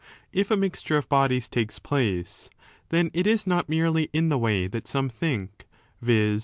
If a mixture' of bodies takes place, then it is not merely in the way that some think, viz.